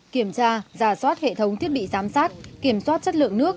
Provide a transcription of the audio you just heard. kiểm tra giả soát hệ thống thiết bị giám sát kiểm soát chất lượng nước